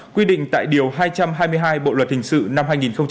quy định tại điều hai trăm hai mươi hai bộ luật hình sự năm hai nghìn một mươi năm